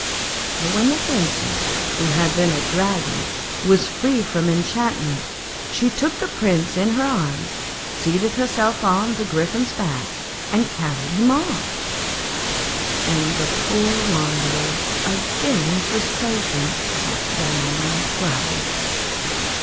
But when the Princess who had been a Dragon was free from enchantment, she took the Prince in her arms, seated herself on the Griffin's back, and carried him off. And the poor wanderer, again forsaken, sat down and cried.